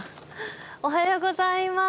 おはようございます。